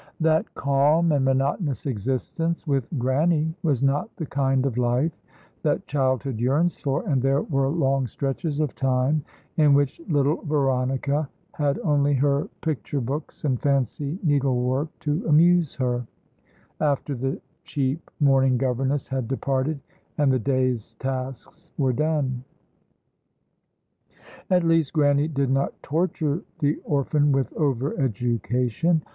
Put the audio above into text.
That calm and monotonous existence with Grannie was not the kind of life that childhood yearns for, and there were long stretches of time in which little Veronica had only her picture books and fancy needlework to amuse her after the cheap morning governess had departed, and the day's tasks were done. At least Grannie did not torture the orphan with over education.